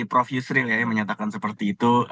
prof yusril ya menyatakan seperti itu